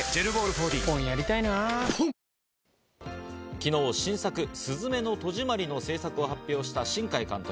昨日、新作『すずめの戸締まり』の制作を発表した新海監督。